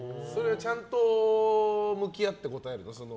ちゃんと向き合って答えるの？